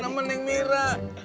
sama neng mira